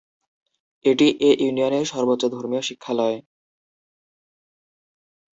এটি এ ইউনিয়নের সর্বোচ্চ ধর্মীয় শিক্ষালয়।